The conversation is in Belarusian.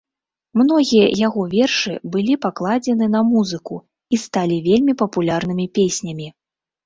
Многія яго вершы былі пакладзены на музыку і сталі вельмі папулярнымі песнямі.